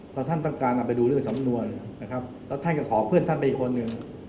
เพราะท่านต้องการเอาไปดูเรื่องสำนวนนะครับแล้วท่านก็ขอเพื่อนท่านไปอีกคนหนึ่ง